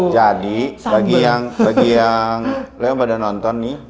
jadi bagi yang kalian yang pada nonton nih